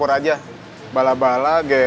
kita bakal kebuk liberated gitu ya